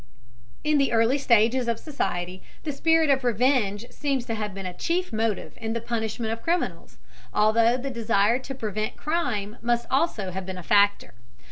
In the early stages of society the spirit of revenge seems to have been a chief motive in the punishment of criminals, although the desire to prevent crime must also have been a factor.